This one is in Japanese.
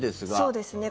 そうですね。